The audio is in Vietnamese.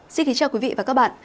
xin kính chào quý vị và các bạn